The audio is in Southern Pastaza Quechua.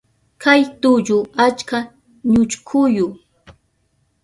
Kay tullu achka ñuchkuyu.